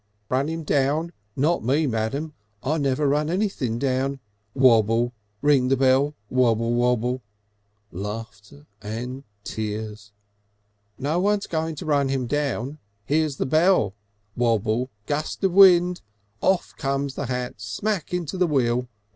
"Run 'im down! Not me, Madam. I never run anything down. Wabble. Ring the bell. Wabble, wabble " (Laughter and tears.) "No one's going to run him down. Hears the bell! Wabble. Gust of wind. Off comes the hat smack into the wheel.